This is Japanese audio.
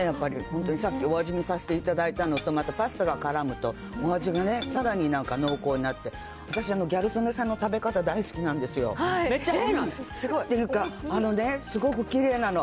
本当にさっきお味見させていただいたのと、またパスタがからむとお味がね、さらに濃厚になって、私、ギャル曽根さんの食べ方、大好きなんですよ。というか、すごくきれいなの。